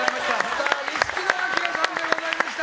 スター錦野旦さんでございました。